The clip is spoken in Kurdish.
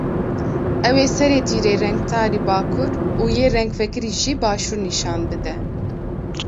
Ew ê serê tîrê rengtarî bakur û yê rengvekirî jî başûr nîşan bide.